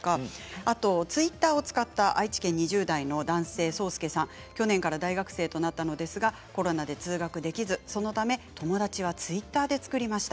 あとツイッターを使って愛知県２０代の男性から去年から大学生になったのですがコロナで通学できずそのため友達はツイッターで作りました。